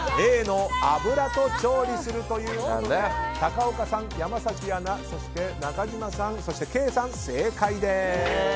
Ａ、油と調理するということで高岡さん、山崎アナ、中島さんそしてケイさん、正解です。